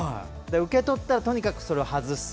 受け取ったら、とにかくそれを外す。